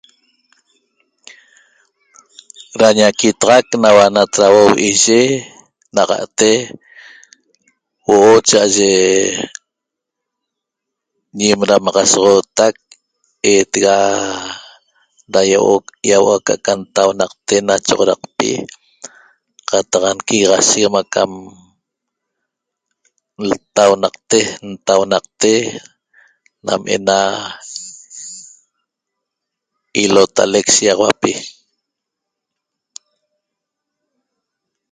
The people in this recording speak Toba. Ra ñaquitaxac naua natrauo vi'iye naxa'te huo'o cha'aye ñim ramaxasoxotac etega ra iahuo'o aca aca ntaunaqte na choxoraqpi qataq nquigaxasheguem acam ltaunaqte ntaunaqte nam ena ilotalec shigaxauapi